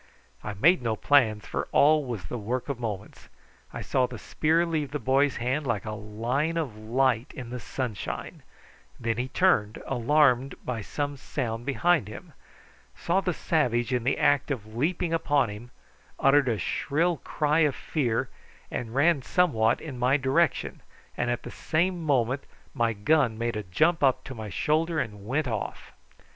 I made no plans, for all was the work of moments. I saw the spear leave the boy's hand like a line of light in the sunshine; then he turned, alarmed by some sound behind him, saw the savage in the act of leaping upon him, uttered a shrill cry of fear, and ran somewhat in my direction, and at the same moment my gun made a jump up at my shoulder and went off.